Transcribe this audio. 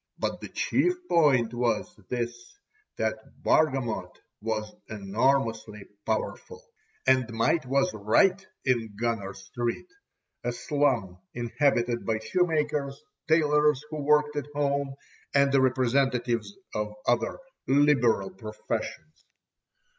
But the chief point was this that Bargamot was enormously powerful; and might was right in Gunner Street, a slum inhabited by shoemakers, tailors who worked at home, and the representatives of other "liberal" professions.